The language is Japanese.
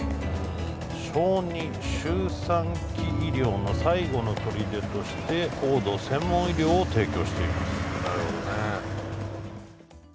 小児周産期医療の最後のとりでとして高度専門医療を提供しています。